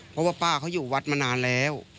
เพราะว่าป้าเขาอยู่วัดมานานแล้ว